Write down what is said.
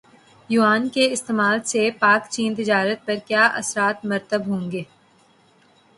یوان کے استعمال سے پاکچین تجارت پر کیا اثرات مرتب ہوں گے